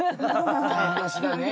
深い話だね。